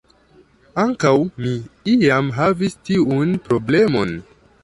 Ankaŭ mi iam havis tiun problemon.